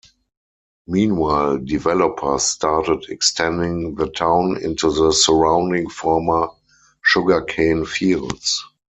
Meanwhile, developers started extending the town into the surrounding former sugarcane fields.